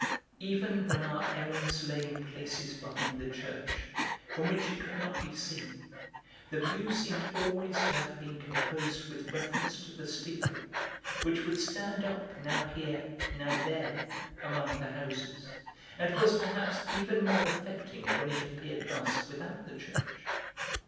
Even when our errands lay in places behind the church, from which it could not be seen, the view seemed always to have been composed with reference to the steeple, which would stand up, now here, now there, among the houses, and was perhaps even more affecting when it appeared thus without the church.